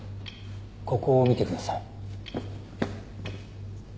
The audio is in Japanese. ここ見てください。